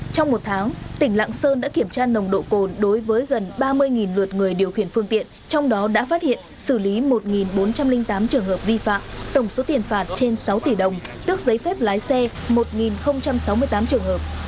trong một tháng tỉnh lạng sơn đã kiểm tra nồng độ cồn đối với gần ba mươi lượt người điều khiển phương tiện trong đó đã phát hiện xử lý một bốn trăm linh tám trường hợp vi phạm tổng số tiền phạt trên sáu tỷ đồng tước giấy phép lái xe một sáu mươi tám trường hợp